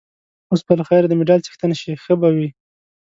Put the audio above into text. اوس به له خیره د مډال څښتن شې، ښه به وي.